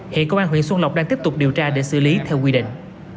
hiện công an huyện xuân lộc đang tiếp tục điều tra để xử lý theo quy định